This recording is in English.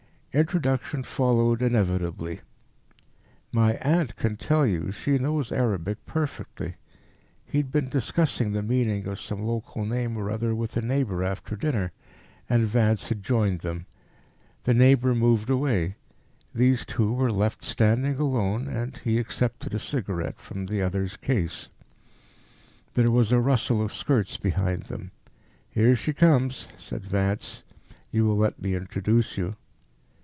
Introduction followed inevitably. "My aunt can tell you; she knows Arabic perfectly." He had been discussing the meaning of some local name or other with a neighbour after dinner, and Vance had joined them. The neighbour moved away; these two were left standing alone, and he accepted a cigarette from the other's case. There was a rustle of skirts behind them. "Here she comes," said Vance; "you will let me introduce you."